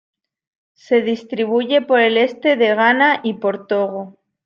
Se distribuye por el este de Ghana y por Togo.